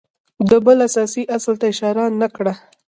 ده بل اساسي اصل ته اشاره نه کړه